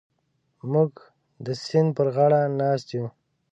موږ د سیند پر غاړه ناست یو.